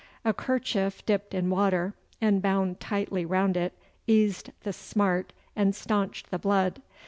A kerchief dipped in water and bound tightly round it eased the smart and stanched the blood.